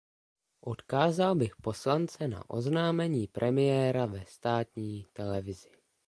Odkázal bych poslance na oznámení premiéra ve státní televizi.